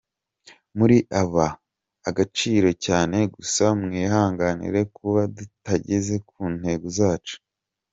Muri aba agaciro cyane gusa mwihanganire kuba tutageze ku ntego zacu.